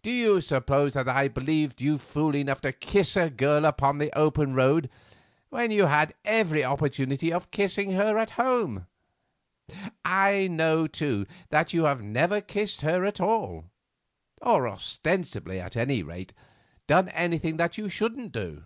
Do you suppose that I believed you fool enough to kiss a girl on the open road when you had every opportunity of kissing her at home? I know, too, that you have never kissed her at all; or, ostensibly at any rate, done anything that you shouldn't do."